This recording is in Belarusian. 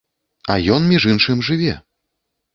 А ён, між іншым, жыве.